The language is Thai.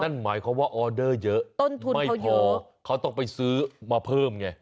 นั่นหมายความว่าออเดอร์เยอะต้นทุนไม่พอเขาต้องไปซื้อมาเพิ่มไง